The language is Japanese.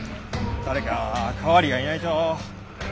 誰か代わりがいないと。